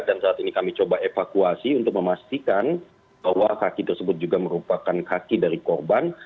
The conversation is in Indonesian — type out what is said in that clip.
dan saat ini kami coba evakuasi untuk memastikan bahwa kaki tersebut juga merupakan kaki dari korban